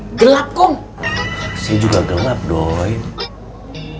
hai gelap kum sih juga gelap doi berarti kamu mabuk juga ya